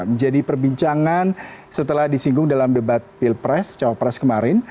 menjadi perbincangan setelah disinggung dalam debat pilpres cawapres kemarin